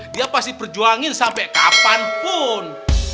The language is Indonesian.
dia pasti perjuangin sampai kapanpun